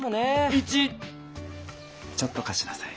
イチちょっとかしなさい。